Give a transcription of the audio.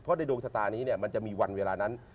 เพราะในดวงชะตานี้มันจะมีวันเวลานั้น